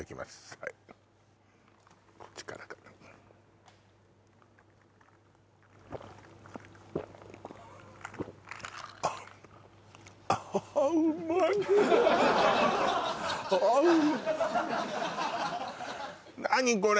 はいこっちからかなあんっああ何これ？